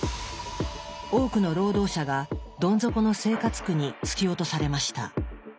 多くの労働者がどん底の生活苦に突き落とされました。